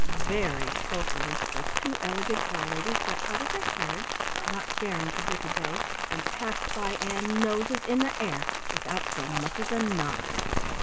Very sulkily the two elegant doll ladies got out of their carriage, not daring to disobey, and passed by Ann, noses in the air, without so much as a nod.